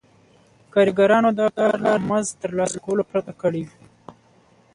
کارګرانو دا کار له مزد ترلاسه کولو پرته کړی وي